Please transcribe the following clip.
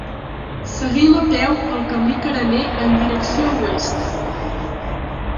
Seguim a peu pel camí carener en direcció oest.